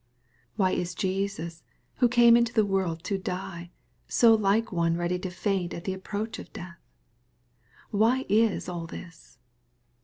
Why is Jesus, who came into the world to die, so like one ready to feint at th« approach of death ? Why is all this